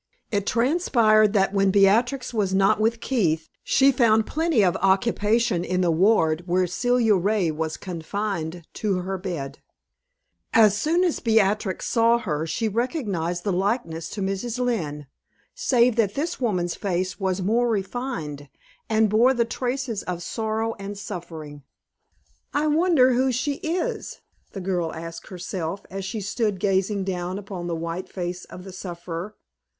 It transpired that when Beatrix was not with Keith, she found plenty of occupation in the ward where Celia Ray was confined to her bed. As soon as Beatrix saw her she recognized the likeness to Mrs. Lynne, save that this woman's face was more refined, and bore the traces of sorrow and suffering. "I wonder who she is?" the girl asked herself, as she stood gazing down upon the white face of the sufferer.